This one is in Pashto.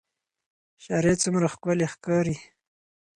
شرۍ څومره ښکلې ښکاري